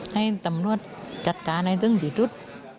ให้ตำรวจจัดการให้ถึงที่สุด